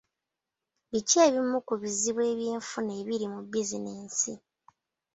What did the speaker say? Biki ebimu ku bizibu ebyenfuna ebiri mu bizinensi?